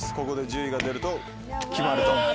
ここで１０位が出ると決まると。